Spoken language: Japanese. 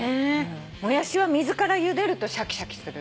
モヤシは水からゆでるとシャキシャキする。